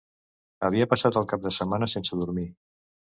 Havia passat el cap de setmana sense dormir.